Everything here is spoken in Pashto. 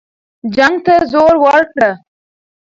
جنګ ته زور ورکړه.